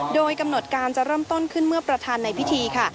โดยกำหนดการจะเริ่มต้นขึ้นเมื่อประธานในพิธีค่ะ